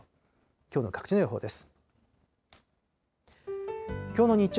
きょうの各地の予報です。